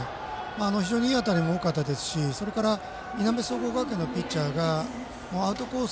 非常にいい当たりも多かったですしそれからいなべ総合学園のピッチャーがアウトコース